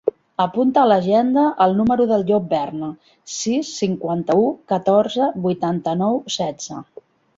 Apunta a l'agenda el número del Llop Berna: sis, cinquanta-u, catorze, vuitanta-nou, setze.